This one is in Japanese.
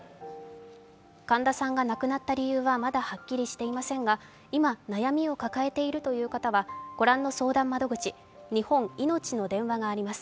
神田さんが亡くなった理由はまだはっきりしていませんが今、悩みを抱えているという方は、御覧の相談窓口、日本いのちの電話があります。